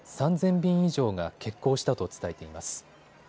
便以上が欠航したと伝えています。